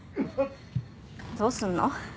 どうすんの？